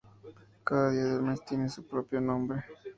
Cada día del mes tiene su propio nombre.